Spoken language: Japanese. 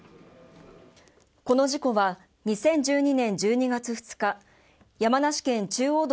この事故は２０１２年１２月２日山梨県中央道